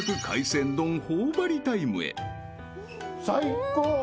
最高！